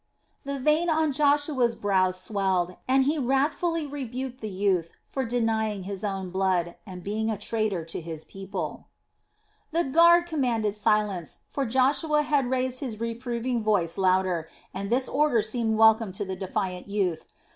The vein on Joshua's brow swelled, and he wrathfully rebuked the youth for denying his own blood, and being a traitor to his people. The guard commanded silence, for Joshua had raised his reproving voice louder, and this order seemed welcome to the defiant youth.